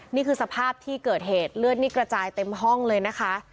นี่คือสภาพที่เกิดเหตุเลือดนี่กระจายเต็มห้องเลยนะคะ